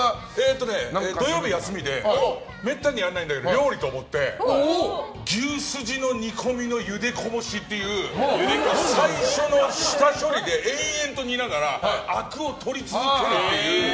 土曜日は休みでめったにやらないんだけど料理と思って牛すじの煮込みのゆでこぼしっていう最初の下処理で延々と煮ながらあくを取り続けるという。